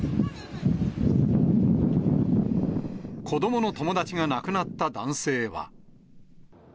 子どもの友達が亡くなった男性は。